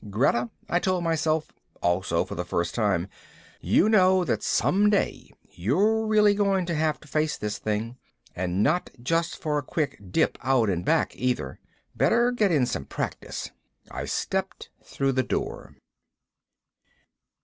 Greta, I told myself also for the first time, _you know that some day you're really going to have to face this thing, and not just for a quick dip out and back either. Better get in some practice._ I stepped through the door.